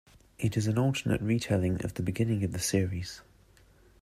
It is an alternate retelling of the beginning of the series.